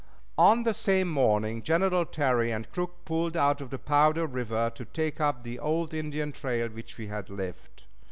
On the same morning Generals Terry and Crook pulled out for Powder River, to take up the old Indian trail which we had left.